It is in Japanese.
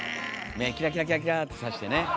目キラキラキラキラってさしてね。